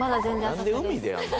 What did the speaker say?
何で海でやんの。